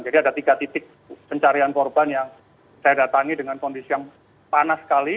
jadi ada tiga titik pencarian korban yang saya datangi dengan kondisi yang panas sekali